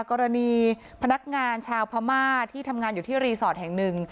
กรณีพนักงานชาวพม่าที่ทำงานอยู่ที่รีสอร์ทแห่งหนึ่ง